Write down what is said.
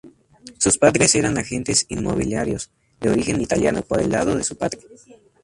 Sus padres eran agentes inmobiliarios, de origen italiano por el lado de su padre.